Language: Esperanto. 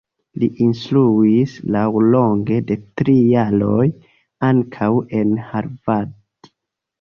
Li instruis, laŭlonge de tri jaroj, ankaŭ en Harvard.